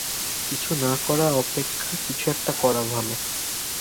কিছু না করা অপেক্ষা কিছু একটা করা ভাল।